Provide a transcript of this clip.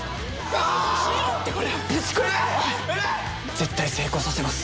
絶対成功させます。